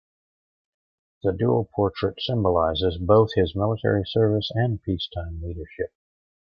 The dual portrait symbolizes both his military service and peacetime leadership.